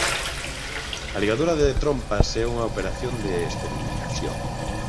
A ligadura de trompas é unha operación de esterilización.